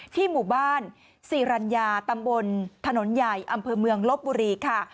หมู่บ้านศรีรัญญาตำบลถนนใหญ่อำเภอเมืองลบบุรีค่ะ